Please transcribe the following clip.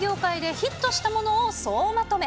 ヒットしたものを総まとめ。